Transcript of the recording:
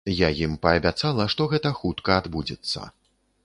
Я ім паабяцала, што гэта хутка адбудзецца.